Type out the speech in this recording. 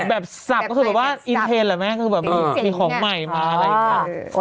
แบบซับก็คือแบบว่าอินเทนแหละมั้ยคือแบบมีของใหม่มาอะไรอีกครับ